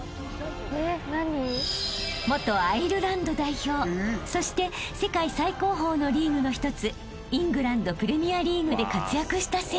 ［元アイルランド代表そして世界最高峰のリーグの一つイングランドプレミアリーグで活躍した選手］